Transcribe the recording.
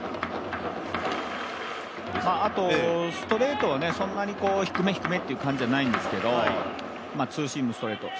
ストレートはそんなに低め低めって感じじゃないですけどツーシームストレート。